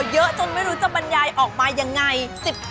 เยอะจนไม่รู้จะบรรยายออกมายังไง